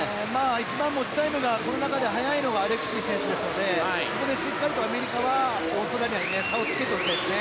一番、持ちタイムがこの中で速いのがアレクシー選手ですのでここでしっかりアメリカはオーストラリアに差をつけておきたいですね。